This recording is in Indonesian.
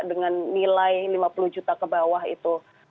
dengan nilai lima puluh juta ke bawah itu